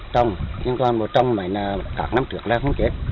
trồng nhưng toàn bộ trồng này là các năm trước là không chết